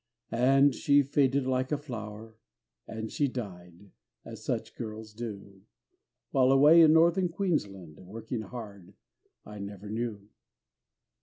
And she faded like a flower, And she died, as such girls do, While, away in Northern Queensland, Working hard, I never knew.